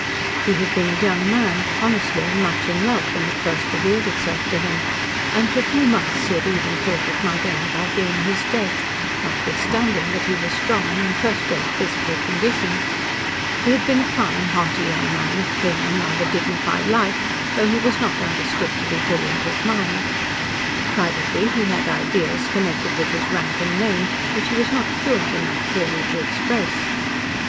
He had been a young man, honestly and much in love when it first revealed itself to him, and for a few months he had even thought it might end by being his death, notwithstanding that he was strong and in first rate physical condition. He had been a fine, hearty young man of clean and rather dignified life, though he was not understood to be brilliant of mind. Privately he had ideals connected with his rank and name which he was not fluent enough clearly to express.